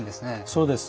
そうです。